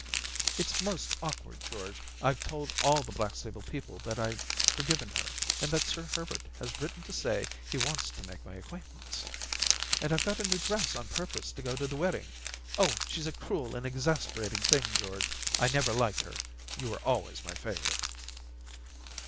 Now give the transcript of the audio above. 'Its most awkward, George. IVe told all the Blackstable people that I've forgiven her and that Sir Herbert has written to say he wants to make my acquaintance. And I've got a new dress on purpose to go to' the wedding. Oh ! she's a cruel and exasperat ing thing, George ; I never liked her. You were always my favourite.'